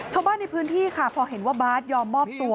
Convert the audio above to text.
ชาวบ้านในพื้นที่ค่ะพอเห็นว่าบาร์ดยอมมอบตัว